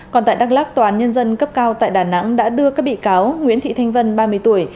còn tại đắk lắc tòa án nhân dân cấp cao tại đà nẵng đã đưa các bị cáo nguyễn thị thanh vân ba mươi tuổi